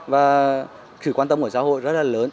và sự quan tâm của xã hội rất là lớn